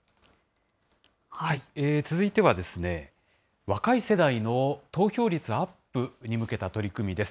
続いては、若い世代の投票率アップに向けた取り組みです。